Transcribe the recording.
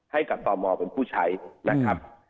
ให้กับตอมมอลเป็นผู้ใช้นะครับ